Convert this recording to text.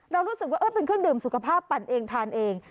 รู้สึกว่าเป็นเครื่องดื่มสุขภาพปั่นเองทานเอง